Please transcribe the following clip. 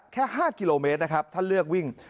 แค่๕กิโลเมตรนะครับท่านเลือกวิ่ง